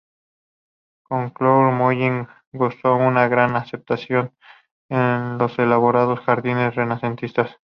Con Claude Mollet gozó de gran aceptación en los elaborados jardines renacentistas.